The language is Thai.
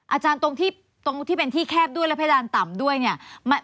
ตรงที่เป็นที่แคบด้วยและเพดานต่ำด้วยเนี่ย